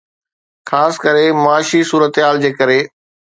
خاص ڪري معاشي صورتحال جي ڪري.